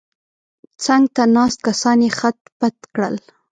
څنګ ته ناست کسان یې خت پت کړل.